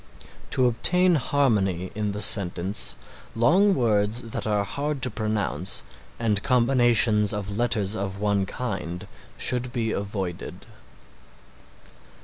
To obtain harmony in the sentence long words that are hard to pronounce and combinations of letters of one kind should be avoided.